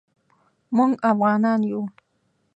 موږ افعانان یو